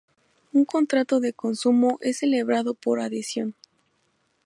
Un contrato de consumo es celebrado por adhesión.